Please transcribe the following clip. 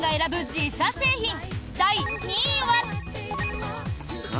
自社製品第２位は。